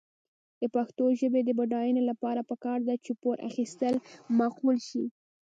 د پښتو ژبې د بډاینې لپاره پکار ده چې پور اخیستل معقول شي.